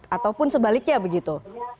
ataupun sebaliknya begitu